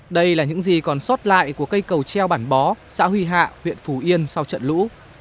đây là những gì còn sót lại của cây cầu treo bản bó xã huy hạ huyện phù yên sau trận lũ